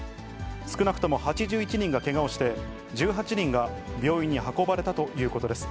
少なくとも８１人がけがをして、１８人が病院に運ばれたということです。